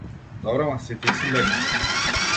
Добро ама сите си легнале.